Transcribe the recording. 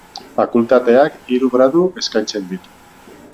Fakultateak hiru gradu eskaintzen ditu.